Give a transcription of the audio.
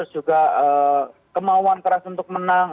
juga kemauan keras untuk menang